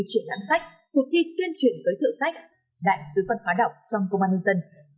triển lãm sách cuộc thi tuyên truyền giới thiệu sách đại sứ văn hóa đọc trong công an nhân dân